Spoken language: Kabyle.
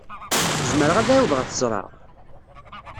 Zemreɣ ad ɛawdeɣ ad t-ẓreɣ?